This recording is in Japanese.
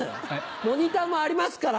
モニターもありますから。